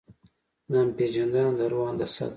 ځان پېژندنه د روح هندسه ده.